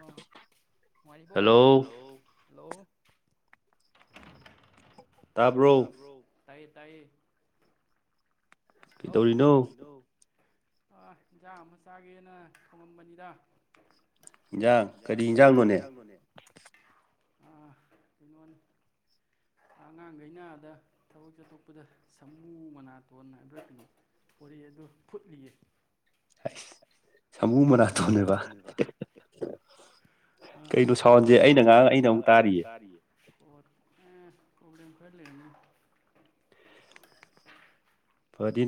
ꯑ ꯅꯨꯡꯉꯥꯏꯔꯤꯕꯣ hello hello ꯇꯔꯕꯣ ꯇꯥꯏꯌꯦ ꯇꯥꯏꯌꯦ ꯍꯜꯂꯣ ꯀꯩꯗꯧꯔꯤꯅꯣ ꯑ ꯌꯦꯟꯖꯥꯛ ꯑꯃ ꯆꯥꯒꯦꯅ ꯊꯣꯡꯉꯝꯕꯅꯤꯗ ꯏꯟꯖꯥꯡ ꯀꯔꯤ ꯌꯦꯟꯖꯥꯡꯅꯣꯅꯦ [inaudible] ꯑꯉꯥꯡꯈꯩꯅꯗ ꯊꯕꯛ ꯆꯠꯊꯣꯛꯄꯗ ꯁꯥꯃꯨ ꯃꯅꯥꯇꯣꯟ ꯍꯥꯏꯕ꯭ꯔꯥ ꯀꯩꯅꯣ ꯄꯣꯔꯦ ꯑꯗꯨ ꯐꯨꯠꯂꯤꯌꯦ ꯁꯥꯃꯨ ꯃꯔꯥꯊꯣꯟꯅꯦꯕ ꯑ ꯀꯩꯅꯣ ꯁꯥꯎꯍꯟꯁꯦ ꯑꯩꯅ ꯉꯍꯥꯡ ꯑꯩꯅ ꯑꯃꯨꯛ ꯇꯥꯔꯤꯌꯦ ꯄꯕ꯭ꯔꯦꯝ ꯈꯥ ꯂꯩꯅꯦ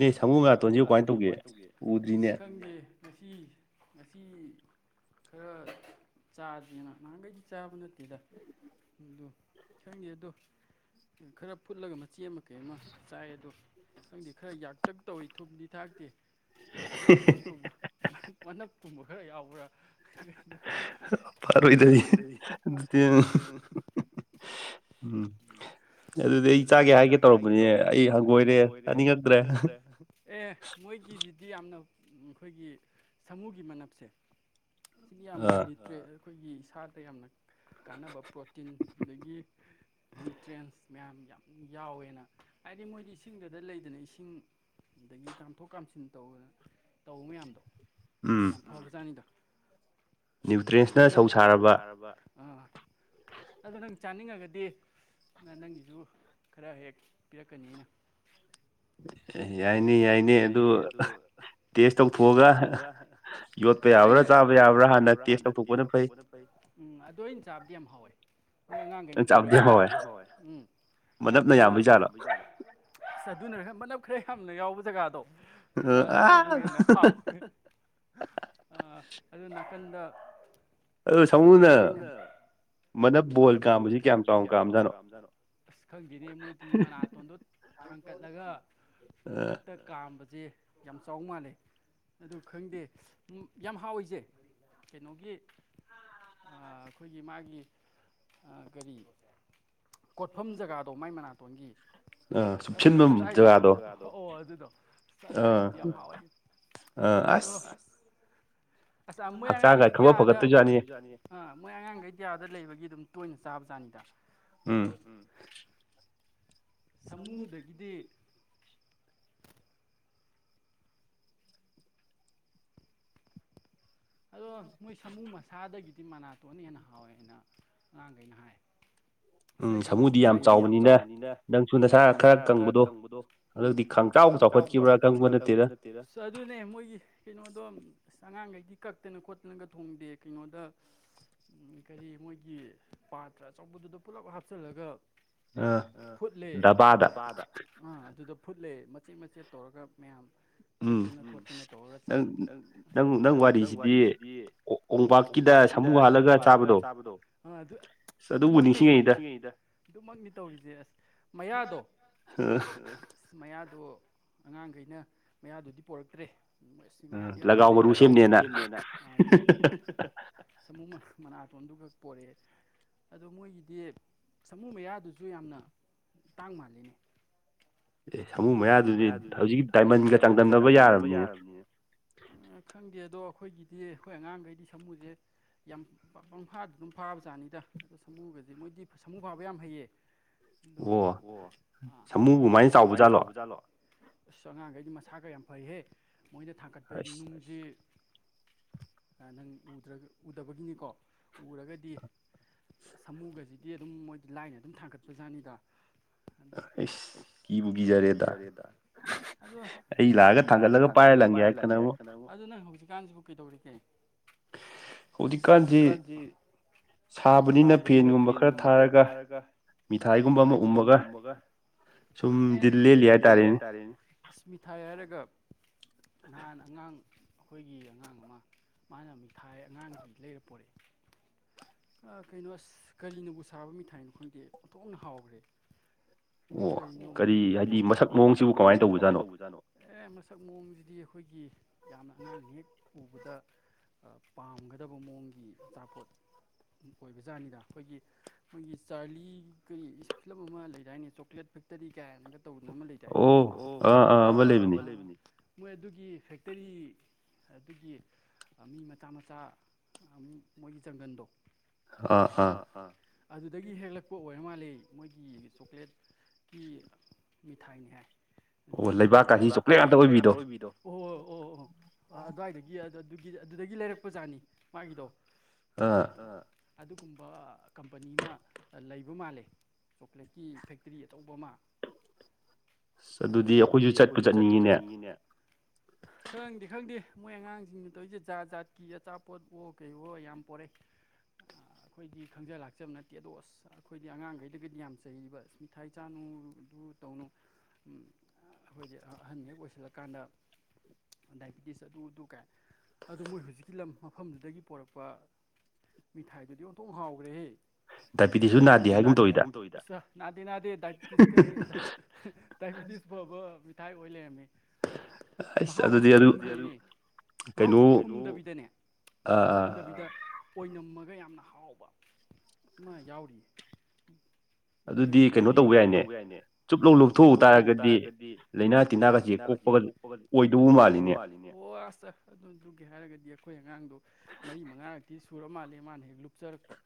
ꯀꯅꯦ ꯁꯪꯃꯨ ꯃꯅꯥꯇꯣꯟꯁꯤ ꯀꯃꯥꯏꯅ ꯇꯧꯒꯦ ꯁꯤ ꯈꯔ ꯆꯥꯗꯦꯅ ꯅꯍꯥꯟꯈꯩꯒꯤ ꯆꯥꯕ ꯅꯠꯇꯦ ꯗ ꯑꯗꯨ ꯈꯪꯗꯦ ꯑꯗꯣ ꯈꯔ ꯐꯨꯠꯂꯒ ꯃꯆꯦ ꯑꯃ ꯀꯩꯅ ꯑꯃ ꯆꯥꯏ ꯑꯗꯣ ꯈꯪꯗꯦ ꯈꯔ ꯄꯥꯛꯇꯛ ꯇꯧꯋꯤ ꯊꯨꯝꯗꯤ ꯊꯥꯛꯇꯦ ꯀꯩꯅꯣ ꯇꯧꯕ ꯃꯅꯟ ꯀꯨꯝꯕ ꯈꯔ ꯌꯥꯎꯕ꯭ꯔꯥ ꯐꯔꯣꯏꯗꯧꯔꯤ [unintelligible] ꯎꯝ ꯑꯗꯨꯗꯤ ꯑꯩ ꯆꯥꯒꯦ ꯍꯥꯏꯒꯦ ꯇꯧꯔꯝꯕꯅꯤꯅꯦ ꯑꯩ ꯍꯪꯒꯣꯏꯔꯦ ꯆꯥꯅꯤꯡꯉꯛꯇ꯭ꯔꯦ ꯑꯦ ꯃꯣꯏꯒꯤꯁꯤꯗꯤ ꯌꯥꯝꯅ ꯑꯩꯈꯣꯏꯒꯤ ꯁꯥꯃꯨꯒꯤ ꯃꯅꯞꯁꯦ ꯁꯤ ꯌꯥꯝ ꯌꯥꯝ ꯅꯤꯠꯇ꯭ꯔꯦ ꯑꯩꯈꯣꯏꯒꯤ ꯏꯁꯥꯗ ꯌꯥꯝꯅ ꯀꯥꯟꯅꯕ ꯄ꯭ꯔꯣꯇꯤꯟ ꯑꯗꯒꯤ ꯅ꯭ꯌꯨꯇ꯭ꯔꯦꯟꯁ ꯃꯌꯥꯝ ꯌꯥꯝ ꯌꯥꯎꯋꯦꯅ ꯍꯥꯏꯗꯤ ꯃꯣꯏꯗꯤ ꯏꯁꯤꯡꯗꯨꯗ ꯂꯩꯗꯅ ꯏꯁꯤꯡ ꯑꯗꯒꯤ ꯀꯥꯝꯊꯣꯛ ꯀꯥꯝꯁꯤꯟ ꯇꯧꯅ ꯇꯧ ꯃꯌꯥꯝꯗꯣ ꯑ ꯌꯥꯝ ꯐꯕꯖꯥꯅꯤꯗ ꯅ꯭ꯌꯨꯇ꯭ꯔꯦꯟꯁꯅ ꯁꯧ ꯁꯥꯔꯕ ꯑꯥ ꯑꯗꯨꯣ ꯅꯪ ꯆꯥꯅꯤꯡꯉꯒꯗꯤ ꯅꯪꯒꯤꯁꯨ ꯈꯔ ꯍꯦꯛ ꯄꯤꯔꯛꯀꯅꯤ ꯑꯩꯅ ꯌꯥꯏꯅꯦ ꯌꯥꯏꯅꯦ ꯑꯗꯨ ꯇꯦꯁ ꯇꯧꯊꯣꯛꯑꯒ ꯌꯣꯠꯄ ꯌꯥꯕ꯭ꯔꯥ ꯆꯥꯕ ꯌꯥꯕ꯭ꯔꯥ ꯍꯥꯟꯅ ꯇꯦꯁ ꯎꯝ ꯑꯗꯨꯗ ꯑ ꯑꯣꯏꯅ ꯆꯥꯕꯗꯤ ꯌꯥꯝ ꯍꯥꯎꯋꯦ ꯅꯣꯏ ꯑꯉꯥꯡꯈꯩꯅ ꯄꯣꯔꯛꯏꯗꯤ ꯌꯥꯗꯤꯦ ꯐꯥꯎꯋꯦ ꯎꯝ ꯑꯉꯥꯡꯈꯩꯅꯞꯅ ꯌꯥꯕꯩꯖꯥꯔꯦ ꯆꯥ ꯑꯗꯨꯅꯔꯒ ꯃꯅꯞ ꯈꯔ ꯌꯥꯝꯅ ꯌꯥꯎꯕ ꯖꯒꯥꯗꯣ ꯑꯗꯨꯅꯕꯨ ꯍꯦꯟꯅ ꯍꯥꯎꯦ ꯑ ꯑꯗꯨ ꯅꯥꯀꯟꯗ ꯑ ꯁꯃꯨꯅ ꯃꯅꯞ ꯕꯣꯜ ꯀꯥꯝꯕꯁꯤ ꯀꯌꯥꯝ ꯆꯥꯎꯅ ꯀꯥꯝꯖꯥꯠꯅꯣ ꯑꯁ ꯈꯪꯗꯦꯅꯦ ꯃꯣꯏꯗꯤ ꯃꯅꯥꯇꯣꯟꯗꯣ [unintelligible] ꯃꯊꯛꯇ ꯀꯥꯝꯕ ꯁꯦ ꯌꯥꯝ ꯆꯥꯎ ꯃꯥꯜꯂꯦ ꯑꯗꯨ ꯈꯪꯗꯦ ꯌꯥꯝ ꯍꯥꯎꯋꯦꯁꯦ ꯀꯩꯅꯣꯒꯤ ꯑꯩꯈꯣꯏꯒꯤ ꯃꯥꯒꯤ ꯀꯔꯤ ꯀꯣꯠꯐꯝ ꯖꯒꯥꯗꯣ ꯃꯥꯏ ꯃꯅꯥꯇꯣꯟꯒꯤ ꯁꯗꯥꯏꯗꯨꯗꯤ ꯌꯥꯝ ꯍꯥꯎꯋꯦ ꯑꯗꯣ ꯍꯛꯆꯥꯡ ꯀꯥ ꯈꯪꯄ ꯄꯒꯠꯄ ꯄꯒꯠꯇꯣꯢ ꯖꯥꯠꯅꯝꯍꯦ ꯃꯣꯏ ꯑꯉꯥꯡꯒꯩꯗꯤ ꯑꯥꯗ ꯂꯩꯕꯒꯤ ꯑꯗꯨꯝ ꯇꯣꯏꯅ ꯆꯥꯕꯖꯥꯠꯅꯤꯗ ꯑꯗꯣ ꯁꯃꯨꯗꯒꯤꯗꯤ ꯑꯗꯣ ꯅꯣꯏ ꯁꯥꯃꯨ ꯃꯁꯥꯗꯒꯤꯗꯤ ꯁꯤ ꯃꯅꯥ ꯇꯣꯛꯑꯅ ꯍꯦꯟꯅ ꯍꯥꯎꯋꯦ ꯍꯥꯏꯅ ꯑꯉꯥꯡꯈꯩꯅ ꯍꯥꯏ ꯁꯥꯃꯨꯗꯤ ꯌꯥꯝ ꯆꯥꯎꯕꯅꯤꯅ ꯅꯪꯁꯨ ꯅꯁꯥ ꯈꯔ ꯀꯪꯕꯗꯣ ꯎ ꯍꯟꯗꯛꯇꯤ ꯈꯪꯆꯥꯎ ꯆꯥꯎꯈꯠꯈꯤꯕ꯭ꯔꯥ ꯈꯪ ꯄꯣꯠ ꯅꯠꯇꯦꯗ ꯑꯁ ꯑꯗꯨꯅꯦ ꯃꯣꯏꯒꯤ ꯀꯩꯅꯣꯗꯣ ꯑꯁ ꯑꯉꯥꯡꯈꯩꯗꯤ ꯀꯛꯇꯅ ꯈꯣꯠꯇꯅꯒ ꯊꯣꯡꯗꯦ ꯀꯩꯅꯣꯗ ꯀꯔꯤ ꯃꯣꯏꯒꯤ ꯄꯥꯇ꯭ꯔ ꯑꯆꯧꯕꯗꯨꯗ ꯄꯨꯜꯂꯞ ꯍꯥꯞꯆꯤꯜꯂꯒ ꯐꯨꯠꯂꯦ ꯗꯕꯥꯗ ꯑꯗꯨꯒ ꯐꯨꯠꯂꯦ ꯃꯆꯦꯠ ꯃꯆꯦꯠ ꯇꯧꯔꯒ ꯃꯌꯥꯝ ꯁꯦꯠꯇꯅ ꯈꯣꯠꯇꯅ ꯇꯧꯔꯒ ꯆꯥꯏ ꯅꯪ ꯅꯪ ꯅꯪ ꯋꯥꯔꯤꯁꯤꯗꯤ ꯀꯣꯡꯄꯥꯛꯀꯤꯗ ꯁꯥꯃꯨ ꯍꯥꯜꯂꯒ ꯆꯥꯕꯗꯣ ꯑꯗꯨꯃꯛꯅꯦ ꯅꯤꯡꯁꯤꯡꯉꯛꯏꯗ ꯑꯗꯨꯃꯛꯅꯤ ꯇꯧꯔꯤꯁꯦ ꯑꯁ ꯃꯌꯥꯗꯣ ꯑꯁ ꯃꯌꯥꯗꯣ ꯑꯉꯥꯡꯈꯩꯅ ꯃꯌꯥꯗꯨꯗꯤ ꯄꯣꯔꯛꯇ꯭ꯔꯦ ꯃꯌꯥꯗꯤ ꯌꯥꯝ ꯐꯖꯩ ꯁꯦꯝꯅꯦꯅꯗ ꯁꯥꯃꯨ ꯃꯅꯥꯇꯣꯟꯗꯨ ꯈꯛ ꯄꯣꯔꯛꯑꯦ ꯑꯗꯣ ꯃꯣꯏꯒꯤꯗꯤ ꯁꯥꯃꯨ ꯃꯌꯥꯗꯨꯁꯨ ꯌꯥꯝꯅ ꯇꯥꯡ ꯃꯥꯜꯂꯤꯅꯤ [inaudible] ꯑꯦ ꯁꯥꯃꯨ ꯃꯌꯥꯗꯨꯗꯤ ꯍꯧꯖꯤꯛ ꯗꯥꯏꯃꯟꯒ ꯆꯥꯡꯗꯝꯅꯕ ꯌꯥꯔꯕꯅꯤꯅꯦ ꯎ ꯈꯪꯗꯦ ꯑꯗꯣ ꯑꯩꯈꯣꯏꯒꯤꯗꯤ ꯑꯩꯈꯣꯏ ꯑꯉꯥꯡꯈꯩꯗꯤ ꯁꯥꯃꯨꯁꯦ ꯌꯥꯝ ꯄꯪꯐꯥꯗ ꯑꯗꯨꯝ ꯐꯥꯕꯖꯥꯠꯅꯤꯗ ꯑꯗꯣ ꯁꯃꯨ ꯗꯤ ꯃꯣꯏꯗꯤ ꯁꯥꯃꯨ ꯐꯥꯕ ꯌꯥꯝ ꯍꯩꯌꯦ ꯑꯣ ꯁꯥꯃꯨꯒꯃꯥꯏꯅ ꯆꯥꯎꯕꯖꯥꯠꯂꯣ ꯑꯁ ꯑꯉꯥꯡꯈꯩꯗꯤ ꯃꯁꯥꯒ ꯌꯥꯝ ꯐꯩꯍꯦ ꯃꯣꯏꯅ ꯊꯥꯡꯀꯠꯄ ꯅꯨꯡꯁꯤ ꯅꯪꯗ ꯎꯗꯕꯒꯤꯅꯤꯀꯣ ꯎꯔꯒꯗꯤ ꯁꯥꯃꯨꯒꯁꯤꯗꯤ ꯑꯗꯨꯝ ꯃꯣꯏꯗꯤ ꯂꯥꯏꯅ ꯑꯗꯨꯝ ꯊꯥꯡꯒꯠꯄ ꯖꯥꯠꯅꯤꯗ ꯑ ꯑꯦꯁ ꯀ ꯏꯕꯨꯒꯖꯔꯤꯦꯗ ꯑꯩ ꯂꯥꯛꯑꯒ ꯊꯥꯡꯒꯠꯂꯒ ꯄꯥꯏꯔ ꯂꯪꯒꯦ ꯍꯥꯏ ꯀꯪ ꯖꯤꯀꯥꯟꯁꯤꯕꯨ ꯀꯩꯗꯧꯔꯤꯒꯦ ꯑꯣꯗꯤ ꯀꯥꯟꯖꯤ ꯁꯥꯕꯅꯤꯅ ꯐꯦꯟꯒꯨꯝꯕ ꯈꯔ ꯊꯥꯔꯒ ꯃꯤꯊꯥꯏꯒꯨꯝꯕ ꯑꯃ ꯎꯝꯃꯒ ꯁꯨꯝ ꯑꯗꯨꯝ ꯗꯤꯜꯂꯤꯦꯜꯂꯤ ꯍꯥꯏꯇꯥꯔꯦꯅꯦ ꯑꯁꯃꯤꯊꯥꯏ ꯍꯥꯏꯔꯒ ꯅꯍꯥꯟ ꯑꯉꯥꯡ ꯑꯩꯈꯣꯏꯒꯤ ꯑꯉꯥꯡ ꯑꯃ ꯃꯥꯅ ꯃꯤꯠ ꯊꯥꯏ ꯑꯉꯥꯡ ꯂꯩꯔ ꯄꯣꯔꯛꯑꯦ [inaudible] ꯀꯩꯅꯣ ꯑꯁ ꯀꯔꯤꯅꯕꯨ ꯁꯥꯕ ꯃꯤꯊꯥꯏꯅꯣ ꯈꯪꯗꯦ ꯑꯣꯟꯊꯣꯛꯅ ꯍꯥꯎꯈ꯭ꯔꯦ ꯀꯣ ꯀ ꯍꯥꯏꯗꯤ ꯃꯁꯛ ꯃꯣꯡꯁꯤꯕꯨ ꯀꯃꯥꯏꯅ ꯇꯧꯕꯖꯥꯠꯅꯣ ꯑꯦ ꯃꯁꯛ ꯃꯣꯡꯁꯤꯗꯤ ꯑꯩꯈꯣꯏꯒꯤ ꯌꯥꯝꯅ ꯑꯉꯥꯡꯅ ꯍꯦꯛ ꯎꯕꯗ ꯄꯥꯝꯒꯗꯕ ꯃꯑꯣꯡꯒꯤ ꯑꯆꯥꯄꯣꯠ ꯑꯣꯏꯕ ꯖꯥꯠꯅꯤꯗ ꯑꯩꯈꯣꯏꯒꯤ ꯃꯣꯏꯒꯤ ꯆꯥꯔꯂꯤ ꯀꯩ ꯐꯤꯂꯝ ꯑꯃ ꯂꯩꯗꯥꯏꯅꯦ ꯆꯣꯀ꯭ꯂꯦꯠ ꯕꯦꯛꯇꯔꯤ ꯀ ꯑꯣ ꯑꯥ ꯑꯥ ꯑꯃ ꯂꯩꯕꯅꯤ ꯃꯣꯏ ꯑꯗꯨꯒꯤ ꯐꯦꯛꯇꯔꯤ ꯑꯗꯨꯒꯤ ꯃꯤ ꯃꯆꯥ ꯃꯆꯥ ꯃꯣꯏꯒꯤ ꯖꯪꯒꯟꯗꯣ ꯑꯥ ꯑꯥ ꯑꯗꯨꯗꯒꯤ ꯍꯦꯛꯂꯛꯄ ꯑꯣꯏ ꯀ ꯃꯥꯜꯂꯤ ꯃꯣꯏꯒꯤ ꯆꯣꯀ꯭ꯂꯦꯠꯀꯤ ꯃꯤꯊꯥꯏꯅꯤ ꯍꯥꯏ ꯑꯗꯨꯗꯒꯤ ꯍꯂꯛꯄ ꯂꯩꯕꯥꯛ ꯀꯥꯁꯤ ꯆꯣ꯭ꯂꯦꯠ ꯉꯥꯛꯇ ꯑꯣꯏꯕꯤꯗꯣ ꯑꯣ ꯑꯣ ꯑꯣ ꯑ ꯑꯗꯨꯋꯥꯏꯗꯒꯤ ꯑ ꯑꯗꯨꯒꯤ ꯑꯗꯨꯗꯒꯤ ꯂꯩꯔꯛꯄꯖꯥꯠꯅꯤ ꯃꯥꯒꯤꯗꯣ ꯑꯥ ꯑꯗꯨꯒꯨꯝꯕ ꯀꯝꯄꯅꯤ ꯑꯃ ꯂꯩꯕ ꯃꯥꯜꯂꯦ ꯆꯣꯀ꯭ꯂꯦꯠꯀꯤ ꯐꯦꯛꯇꯔꯤ ꯑ ꯇꯧꯕ ꯑꯃ ꯑꯁ ꯑꯗꯨꯗꯤ ꯑꯩꯈꯣꯏꯁꯨ ꯆꯠꯄꯨ ꯆꯠꯅꯤꯡꯉꯤꯅꯦ ꯈꯪꯪꯗꯦ ꯈꯪꯗꯦ ꯃꯣꯏ ꯑꯉꯥꯡꯁꯤꯡꯅ ꯇꯧꯔꯤꯁꯦ ꯖꯥꯠ ꯖꯥꯠꯀꯤ ꯑꯆꯥꯄꯣꯠꯕꯣ ꯀꯩꯋꯣ ꯌꯥꯝ ꯄꯣꯔꯛꯏ ꯑꯩꯈꯣꯏꯗꯤ ꯈꯪꯖ ꯂꯥꯛꯆꯕ ꯅꯠꯇꯦ ꯑꯗꯣ ꯑꯁ ꯑꯩꯈꯣꯏꯗꯤ ꯑꯉꯥꯡꯈꯩꯗꯗꯒꯤꯗꯤ ꯌꯥꯝ ꯆꯩ ꯁꯃꯤ ꯊꯥꯏ ꯆꯥꯅꯨꯗꯨ ꯇꯧꯅꯨ ꯑꯩꯈꯣꯏꯗꯤ ꯑꯍꯟ ꯍꯦꯛ ꯑꯣꯏꯁꯤꯜꯂꯀꯥꯟꯗ ꯗꯥꯏꯕꯤꯇꯤꯁ ꯑꯗꯨ ꯑꯗꯨ ꯀꯥꯏ ꯑꯗꯨ ꯃꯣꯏ ꯍꯧꯖꯤꯛꯀꯤ ꯂꯝ ꯃꯐꯝꯗꯨꯗꯒꯤ ꯄꯣꯔꯛꯄ ꯃꯤꯊꯥꯏꯗꯨꯗꯤ ꯑꯣꯟꯊꯣꯛ ꯍꯥꯎꯈ꯭ꯔꯦꯍꯦ ꯗꯥꯏꯕꯦꯇꯁꯨ ꯅꯥꯗꯦ ꯍꯥꯏꯒꯨꯝ ꯇꯧꯋꯗ ꯅꯥꯗꯦ ꯗꯥꯏꯕꯤꯇꯤꯁ ꯀ ꯗꯥꯏꯕꯤꯇꯤꯁ ꯐꯥꯎꯕ ꯃꯤꯊꯥꯏ ꯑꯣꯏ ꯂꯩꯔꯝꯃꯤ ꯑꯁ ꯑꯗꯨ ꯑꯗꯨꯗꯤ ꯑ ꯑꯗꯨ ꯃꯍꯥꯛꯁꯤ ꯊꯨꯝꯗꯕꯤꯗꯅꯦ ꯊꯨꯝꯗꯕꯤꯗ ꯑꯣꯏꯅꯝꯃꯒ ꯌꯥꯝꯅ ꯍꯥꯎꯕ ꯑꯃ ꯌꯥꯎꯔꯤ ꯃꯗꯤ ꯀꯩꯅꯣ ꯇꯧꯕ ꯌꯥꯏꯅꯦ ꯆꯨꯞꯂꯧ ꯂꯧꯊꯣꯛꯎ ꯇꯥꯔꯒꯗꯤ ꯂꯩꯥꯏꯅꯥ ꯇꯤꯟꯅꯥꯒꯁꯤꯦ ꯀꯣꯛꯄꯒ ꯑꯣꯏꯗꯧꯕ ꯃꯥꯜꯂꯤꯅꯦ ꯆꯠꯗ꯭ꯔꯨꯒꯦ ꯍꯥꯏꯔꯒꯗꯤ ꯑꯩꯈꯣꯏ ꯑꯉꯥꯡꯗꯣ ꯃꯔꯤ ꯃꯉꯥꯔꯛꯇꯤ ꯁꯨꯔ ꯃꯥꯜꯂꯦ ꯃꯥꯅ ꯍꯦꯛ ꯂꯨꯞꯆꯔꯛꯄ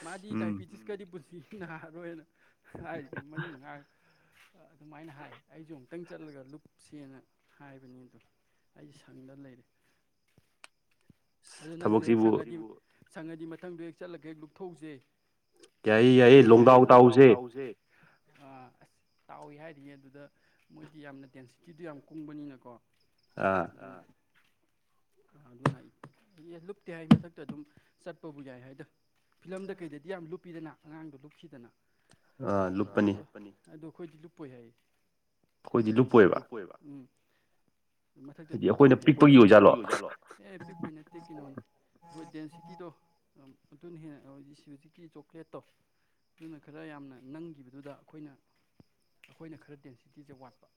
ꯃꯥꯗꯤ ꯗꯥꯏꯕꯤꯇꯤꯁꯀꯗꯤ ꯄꯨꯟꯁꯤ ꯅꯥꯔꯔꯣꯏꯅ ꯍꯥꯏꯔꯤꯒꯦ ꯃꯩ ꯃꯉꯥ ꯑꯗꯨꯃꯥꯏꯅ ꯍꯥꯏ ꯑꯩꯁꯨ ꯑꯃꯨꯛꯇꯪ ꯆꯠꯂꯒ ꯂꯨꯞꯁꯦꯅ ꯍꯥꯏꯕꯅꯤ ꯑꯗꯣ ꯑꯩꯁ ꯁꯪꯗ ꯂꯩꯔꯦ ꯑꯗꯨ ꯅꯪꯁꯨ ꯍꯦꯛ ꯁꯪꯉꯗꯤ ꯁꯪꯉꯗꯤ ꯃꯊꯪꯗꯣ ꯍꯦꯛ ꯆꯠꯂꯒꯦ ꯍꯦꯛ ꯂꯨꯞꯊꯧꯁꯦ ꯌꯥꯏꯌꯦ ꯌꯥꯏꯌꯦ ꯂꯣꯡꯗꯥꯥꯎ ꯇꯥꯎꯁꯦ ꯁꯦ ꯑꯁ ꯇꯥꯎꯏꯤ ꯍꯥꯏꯔꯤꯉ ꯑꯗꯨꯗ ꯃꯣꯏꯗꯤ ꯌꯥꯝꯅ ꯗꯦꯟꯁꯤꯇꯤꯗꯨꯣ ꯌꯥꯝ ꯀꯨꯡꯕꯅꯤꯅꯀꯣ ꯑꯥ ꯑꯗꯨꯅ ꯑꯩ ꯂꯨꯞꯇꯦ ꯍꯥꯏ ꯃꯊꯛꯇ ꯑꯗꯨꯝ ꯆꯠꯄꯕꯨ ꯌꯥꯏ ꯍꯥꯏꯗ ꯐꯤꯂꯝꯗ ꯀꯩꯗꯗꯤ ꯌꯥꯝ ꯂꯨꯞꯄꯤꯗꯅ ꯑꯉꯥꯡꯗꯣ ꯂꯨꯞꯁꯤꯗꯅ ꯑ ꯂꯨꯞꯄꯅꯤ ꯑꯣ ꯑꯩꯈꯣꯏꯗꯤ ꯂꯨꯞꯄꯣꯏ ꯍꯥꯏ ꯎꯝ ꯑꯩꯈꯣꯏꯗꯤ ꯂꯨꯞꯄꯣꯏꯕ ꯎꯝ ꯃꯊꯛꯇ ꯑꯗꯨꯝ ꯇꯥꯎꯏ ꯑꯩꯈꯣꯏꯅ ꯄꯤꯛꯄꯒꯤ ꯑꯣꯖꯥꯠꯂꯣ ꯑꯦ ꯄꯤꯛꯄꯩ ꯅꯠꯇꯦ ꯀꯩꯅꯣꯅꯤ ꯑꯩꯈꯣꯏ ꯗꯦꯟꯁꯤꯇꯤꯗꯣ ꯑꯗꯨꯅ ꯍꯦꯟꯅꯖꯤꯛ ꯁꯤ ꯍꯧꯖꯤꯛꯀꯤ ꯆꯣꯀ꯭ꯂꯦꯠꯇꯣ ꯑꯗꯨꯅ ꯈꯔ ꯌꯥꯝꯅ ꯅꯪꯈꯤꯕꯗꯨꯗ ꯑꯩꯈꯣꯏꯅ ꯑꯩꯈꯣꯏꯅ ꯈꯔ ꯗꯦꯟꯁꯤꯇꯤꯁꯦ ꯋꯥꯠꯄ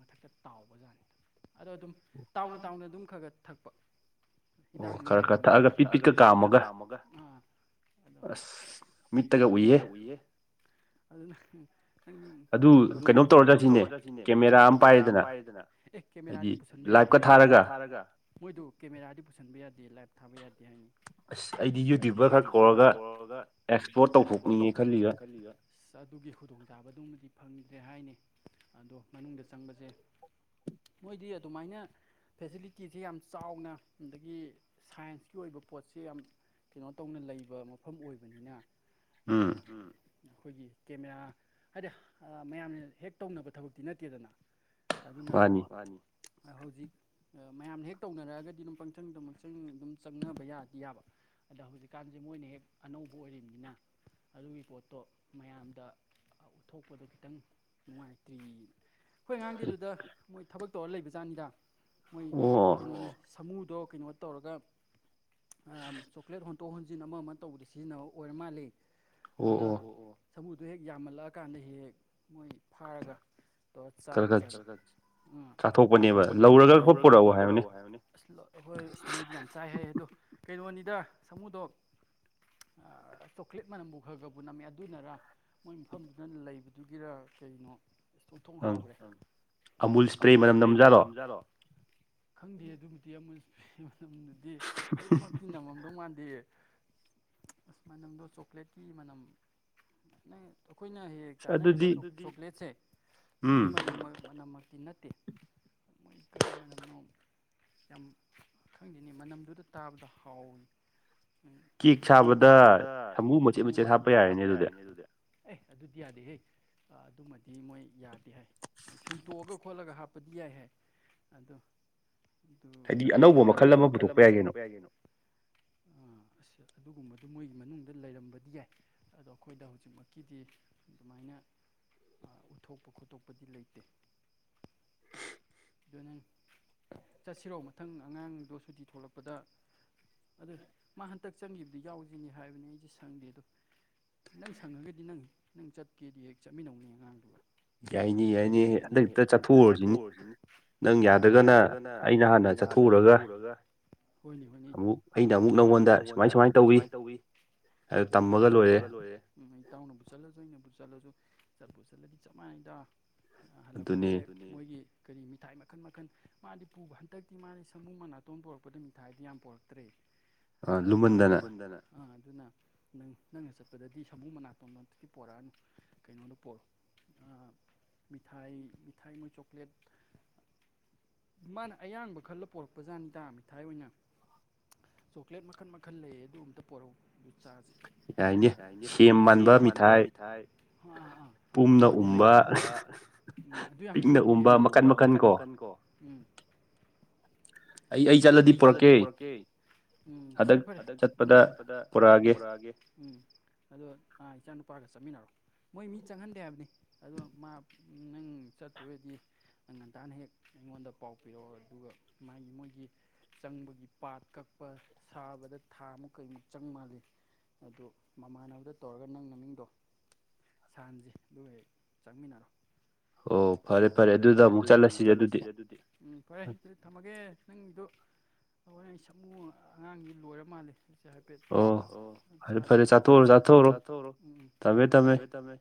ꯃꯊꯛꯇ ꯇꯥꯎꯕ ꯖꯥꯠꯅꯤ ꯑꯗꯣ ꯑꯗꯨꯝ ꯇꯥꯎꯅ ꯇꯥꯎꯅ ꯑꯗꯨꯝ ꯈꯔ ꯈ ꯊꯛꯄ ꯍꯤꯗꯥꯛꯅꯤ ꯍꯥꯏ ꯈ ꯈ ꯊꯛꯑꯒ ꯄꯤꯛ ꯄꯤꯛꯀ ꯀꯥꯝꯃꯒ ꯑꯁ ꯃꯤꯠꯇꯒ ꯎꯏꯌꯦ ꯑꯗꯨꯅ ꯑꯗꯨ ꯀꯩꯅꯣꯝ ꯀꯩꯅꯣꯝ ꯇꯧꯔꯗ꯭ꯔꯥ ꯁꯤꯅꯦ ꯀꯦꯃꯦꯔꯥ ꯑꯃ ꯄꯥꯏꯔꯦꯗꯅ ꯑꯦ ꯀꯦꯔꯥꯗꯤ ꯄꯨꯟꯕ ꯌꯥꯗꯦ ꯂꯥꯏꯀ ꯊꯥꯔꯒ ꯃꯣꯏꯗꯨ ꯀꯦꯃꯦꯔꯥꯗꯤ ꯄꯨꯁꯟꯕ ꯌꯥꯗꯦ ꯂꯥꯏꯕ ꯊꯥꯕ ꯌꯥꯗꯦ ꯍꯥꯏꯅꯤ ꯑꯁ ꯑꯩꯗꯤ ꯌꯨꯇ꯭ꯌꯨꯕꯔ ꯈꯛ ꯀꯧꯔꯒ ꯑꯦꯛꯁꯄ꯭ꯂꯣꯔꯠ ꯇꯧꯊꯣꯛꯅꯤꯡꯉꯦ ꯈꯜꯂꯤ ꯉ ꯀꯜꯂꯤꯗ ꯑꯁ ꯑꯗꯨꯒꯤ ꯈꯨꯗꯣꯡꯆꯥꯥꯕꯗꯨꯃꯗꯤ ꯐꯪꯗ ꯭ꯔꯦ ꯍꯥꯏꯅꯤ ꯑꯗꯣ ꯃꯅꯨꯡꯗ ꯆꯪꯕꯁꯦ ꯃꯣꯏꯗꯤ ꯑꯗꯨꯃꯥꯏꯅ ꯐꯦꯁꯤꯂꯤꯇꯤꯁꯦ ꯌꯥꯝ ꯆꯥꯎꯅ ꯑꯗꯒꯤ ꯁꯥꯏꯟꯁꯀꯤ ꯑꯣꯏꯕ ꯄꯣꯠꯁꯦ ꯌꯥꯝ ꯀꯩꯅꯣ ꯇꯧꯅ ꯂꯩꯕ ꯃꯐꯝ ꯑꯣꯏꯕꯅꯤꯅ ꯎꯝ ꯑꯩꯈꯣꯏꯒꯤ ꯀꯦꯃꯦꯔꯥ ꯍꯥꯏꯗꯤ ꯃꯌꯥꯝꯅ ꯍꯦꯛ ꯇꯧꯅꯕ ꯊꯕꯛꯇꯤ ꯅꯠꯇꯦꯗꯅ ꯑꯗꯨꯅ ꯋꯥꯅꯤ ꯍꯧꯖꯤꯛ ꯃꯌꯥꯝꯅ ꯍꯦꯛ ꯇꯧꯅꯔꯛꯑꯒꯗꯤ ꯑꯗꯨꯝ ꯄꯪꯁꯪꯗ ꯄꯪꯁꯪ ꯑꯗꯨꯝ ꯆꯪꯅꯕ ꯌꯥꯗꯤ ꯌꯥꯕ ꯑꯗ ꯍꯧꯖꯤꯛꯀꯥꯟꯁꯦ ꯃꯣꯏꯅ ꯍꯦꯛ ꯑꯅꯧꯕ ꯑꯣꯏꯔꯤꯕꯝꯅꯤꯅ ꯑꯗꯨꯒꯤ ꯄꯣꯠꯇꯣ ꯃꯌꯥꯝꯗ ꯎꯠꯊꯣꯛꯄꯗꯣ ꯈꯤꯇꯪ ꯅꯨꯡꯉꯥꯏꯇ꯭ꯔꯤ ꯑꯩꯈꯣꯏ ꯑꯉꯥꯡꯒꯤꯗꯨꯗ ꯃꯣꯏ ꯊꯕꯛ ꯇꯧꯔ ꯂꯩꯕ ꯖꯥꯠꯅꯤꯗ ꯃꯣꯏ ꯀꯩꯅꯣꯅꯤ ꯁꯥꯃꯨꯗꯣ ꯀꯩꯅꯣ ꯇꯧꯔꯒ ꯆꯣꯀ꯭ꯂꯦꯠ ꯍꯣꯟꯇꯣꯛ ꯍꯣꯟꯖꯤꯟ ꯑꯃ ꯑꯃ ꯇꯧꯕꯗꯤ ꯁꯤꯖꯤꯟꯅꯕ ꯑꯣꯏꯔ ꯃꯥꯜꯂꯤ ꯑꯗ ꯑꯣ ꯑꯣ ꯁꯃꯨꯗꯨꯣ ꯍꯦꯛ ꯌꯥꯝꯃꯜꯂꯛꯑꯀꯥꯟꯗ ꯍꯦꯛ ꯍꯦꯛ ꯃꯣꯏ ꯐꯥꯔꯒ ꯆꯕ ꯆꯗꯔꯒ ꯎꯝ ꯆꯥꯊꯣꯛꯄꯅꯦꯕ ꯂꯧꯔꯒ ꯈ ꯄꯨꯔꯛꯎ ꯍꯥꯏꯕꯅꯦ ꯑꯁ ꯍꯣꯏ ꯑꯁ ꯃꯣꯏꯗꯤ ꯌꯥꯝ ꯆꯥꯏ ꯍꯥꯏ ꯑꯗꯣ ꯀꯩꯅꯣꯅꯤꯗ ꯁꯥꯃꯨꯗꯣ ꯀ꯭ꯂꯦꯠ ꯃꯅꯝꯕꯨ ꯈꯔ ꯈꯔꯕꯨ ꯅꯝꯃꯦ ꯑꯗꯨꯅꯔ ꯃꯣꯏ ꯃꯐꯝꯗꯨꯅ ꯂꯩꯕꯗꯨꯒꯤꯔ ꯀꯩꯅꯣ ꯍꯥꯎꯈ꯭ꯔꯦ ꯑꯃꯨꯜ ꯏꯁꯄ꯭ꯔꯦ ꯃꯅꯝ ꯅꯖꯥꯠꯔꯣ ꯈꯪꯗꯦ ꯑꯗꯨꯕꯨꯗꯤ ꯑꯃ ꯃꯇꯝꯗꯨꯗꯤ ꯑꯗꯨꯃꯛꯇꯤ ꯅꯝꯃꯝꯗꯧ ꯃꯥꯟꯕ ꯑꯁ ꯃꯅꯝꯗꯣ ꯆꯣꯀ꯭ꯂꯦꯠꯀꯤ ꯃꯅꯝ ꯅ ꯑꯩꯈꯣꯏꯅ ꯍꯦꯛ ꯆꯥꯅꯔꯤꯕ ꯆꯣꯀ꯭ꯂꯦꯠꯁꯦ ꯁꯤꯒꯤ ꯃꯝ ꯃꯅꯝꯃꯛꯇꯤ ꯅꯠꯇꯦ ꯃꯣꯏ ꯀꯔꯤ ꯃꯔꯅꯝꯅꯣ ꯌꯥꯝ ꯈꯪꯗꯅꯤ ꯃꯅꯝꯗꯨꯗ ꯇꯥꯕꯗ ꯍꯥꯎꯋꯤ ꯀꯦꯛ ꯁꯥꯕꯗ ꯁꯃꯨ ꯃꯆꯦꯠ ꯃꯆꯦꯠ ꯍꯥꯞꯄ ꯌꯥꯔꯦꯅꯦ ꯑꯗꯨꯗꯤ ꯑꯦ ꯑꯗꯨꯗꯤ ꯌꯥꯗꯦꯍꯦ ꯑꯗꯨꯃꯗꯤ ꯃꯣꯏ ꯌꯥꯗꯦ ꯍꯥꯏ ꯁꯨꯡꯇꯣꯛꯑꯒ ꯈꯣꯠꯂꯒ ꯍꯥꯞꯄꯗꯤ ꯌꯥꯏ ꯍꯥꯏ ꯑꯗꯣ ꯑꯗꯨ ꯗꯥꯏꯔꯦꯛ ꯑꯅꯧꯕ ꯃꯈꯜ ꯑꯃ ꯄꯨꯊꯣꯛꯄ ꯌꯥꯏ ꯀꯩꯅꯣ ꯎ ꯑꯗꯨꯒꯨꯝꯕꯗꯨ ꯃꯣꯏꯒꯤ ꯃꯅꯨꯡꯗ ꯂꯩꯔꯝꯕꯗꯤ ꯌꯥꯏ ꯑꯗꯣ ꯑꯩꯈꯣꯏꯗ ꯍꯧꯖꯤꯛꯃꯛꯀꯤꯗꯤ ꯑꯗꯨꯃꯥꯏꯅ ꯎꯊꯣꯛꯄ ꯈꯣꯠꯇꯣꯛꯄꯗꯤ ꯂꯩꯇꯦ ꯑꯗꯨ ꯅꯪ ꯆꯠꯁꯤꯔꯣ ꯃꯊꯪ ꯑꯉꯥꯡꯗꯣ ꯁꯨꯇꯤ ꯊꯣꯛꯂꯛꯄꯗ ꯑꯗꯨ ꯃꯥ ꯍꯟꯇꯛ ꯆꯪꯈꯤꯕꯗꯨ ꯌꯥꯎꯁꯤꯅꯤ ꯍꯥꯏꯕꯅꯤ ꯑꯩꯁꯦ ꯁꯪꯗꯦ ꯑꯗꯣ ꯅꯪ ꯁꯪꯉꯒꯗꯤ ꯅꯪ ꯅꯪ ꯆꯠꯀꯦꯗꯤ ꯍꯦꯛ ꯆꯠꯃꯤꯟꯅꯧꯅꯤ ꯑꯉꯥꯡꯗꯨꯒ ꯌꯥꯏꯅꯤ ꯌꯥꯏꯅꯤ ꯑꯗꯦꯛꯇ ꯆꯠꯊꯣꯛꯎꯔꯁꯤꯅꯦ ꯅꯪ ꯌꯥꯗꯒꯅ ꯑꯩꯅ ꯍꯥꯟꯅ ꯆꯠꯊꯣꯛꯎꯔꯒ ꯍꯣꯏ ꯍꯣꯏ ꯑꯃꯨꯛ ꯑꯩꯅ ꯑꯃꯨꯛ ꯅꯉꯣꯟꯗ ꯁꯨꯃꯥꯏ ꯁꯨꯃꯥꯏꯅ ꯇꯧꯋ ꯑꯦ ꯇꯝꯃꯒ ꯂꯣꯏꯔꯦ ꯎꯝ ꯏꯇꯥꯎꯅꯕꯨ ꯆꯠꯂꯁꯨꯩꯅꯕꯨ ꯆꯠꯂ ꯈꯜꯂꯁꯨ ꯆꯠꯄ ꯆꯠꯂꯗꯤ ꯆꯞ ꯃꯥꯟꯅ ꯍꯜꯂꯛꯄꯗ ꯍꯦꯛ ꯑꯗꯨ ꯃꯣꯏꯒꯤ ꯀꯔꯤ ꯃꯤꯊꯥꯏ ꯃꯈꯟ ꯃꯈꯟ ꯃꯥꯗꯤ ꯄꯨꯕ ꯍꯟꯗꯛꯇꯤ ꯃꯥꯗꯤ ꯁꯃꯨ ꯃꯅꯥꯇꯣꯟ ꯄꯨꯣꯔꯛꯄꯗ ꯃꯤꯊꯥꯏꯗꯤ ꯌꯥꯝ ꯄꯣꯔꯛꯇ꯭ꯔꯦ ꯃꯗꯅ ꯑꯗꯨꯅ ꯅꯪ ꯅꯪꯅ ꯆꯠꯄꯗꯗꯤ ꯁꯃꯨ ꯃꯅꯥꯇꯣꯟꯝꯗꯝ ꯄꯣꯔꯛꯑꯅꯤ ꯀꯩꯅꯣꯗ ꯄꯣꯔꯔꯛꯣ ꯃꯤꯊꯥꯏ ꯃꯤꯊꯥꯏ ꯃꯣꯏ ꯆꯣꯀ꯭ꯂꯦꯠ ꯃꯥꯅ ꯑꯌꯥꯡꯕ ꯈꯜꯂ ꯄꯣꯔꯛꯄꯖꯥꯠꯅꯤꯗ ꯃꯤꯊꯥꯏ ꯑꯣꯏꯅ ꯆꯣꯀ꯭ꯂꯦꯠ ꯃꯈꯜ ꯃꯈꯜ ꯂꯩꯌꯦ ꯑꯗꯨ ꯑꯝꯇ ꯄꯣꯔꯛꯎ ꯆꯥꯁꯦ ꯌꯥꯏꯅꯤ ꯁꯦꯝ ꯃꯥꯟꯕ ꯃꯤꯊꯥꯏ ꯑꯗꯨꯒꯨꯝꯅ ꯎꯕ ꯎꯝ ꯑꯗꯨ ꯌꯥꯝ ꯃꯤꯅꯒꯨꯝꯕ ꯃꯈꯟ ꯃꯈꯟ ꯀꯣ ꯎ ꯑꯩ ꯆꯠꯂꯗꯤ ꯄꯨꯔꯛꯀꯦ ꯎꯝ ꯐꯔꯦ ꯐꯔꯦ ꯍꯟꯗꯛ ꯆꯠꯄꯗ ꯄꯨꯔꯛꯑꯒꯦ ꯎꯝ ꯑꯗꯣ ꯏꯆꯥ ꯅꯨꯨꯄꯥꯒ ꯆꯠꯃꯤꯟꯅꯔꯣ ꯃꯣꯏ ꯃꯤ ꯆꯪꯍꯟꯗꯦ ꯍꯥꯏꯕꯅꯤ ꯑꯗꯣ ꯃꯥ ꯅꯪ ꯆꯠꯇꯨꯔꯗꯤ ꯉꯟꯇꯥꯅ ꯍꯦꯛ ꯑꯩꯉꯣꯟꯗ ꯄꯥꯎ ꯄꯤꯔꯛꯑꯣ ꯑꯗꯨꯒ ꯃꯥꯒꯤ ꯃꯣꯏꯒꯤ ꯆꯪꯕꯒꯤ ꯄꯥꯠ ꯀꯛꯄ ꯁꯥꯕꯗ ꯊꯥ ꯑꯃꯨ ꯀꯩꯃꯨꯛ ꯆꯪ ꯃꯥꯜꯂꯤ ꯑꯗꯨ ꯃꯃꯥꯟꯅꯕꯗ ꯇꯧꯔꯒ ꯅꯪ ꯃꯃꯤꯡꯗꯣ ꯁꯟꯁꯦ ꯑꯗꯨꯒ ꯍꯦꯛ ꯆꯪꯃꯤꯟꯅꯔꯣ ꯑꯣ ꯑꯣ ꯐꯔꯦ ꯐꯔꯦ ꯑꯗꯨꯗ ꯑꯃꯨꯛ ꯆꯠꯂꯁꯤꯔꯦ ꯑꯗꯨꯗꯤ ꯎꯝ ꯐꯔꯦ ꯑꯗꯨ ꯊꯝꯃꯒꯦ ꯅꯪꯗꯣ ꯍꯣꯏ ꯑꯩ ꯁꯃꯨ ꯑꯉꯥꯡꯗꯤ ꯂꯣꯏꯔ ꯃꯥꯜꯂꯦ ꯦ ꯑꯣ ꯐꯦ ꯆꯥꯊꯣꯛꯔꯣ ꯆꯥꯊꯣꯛꯎꯔꯣ ꯎ ꯊꯝꯃꯦ ꯊꯝꯃꯦ [unintelligible]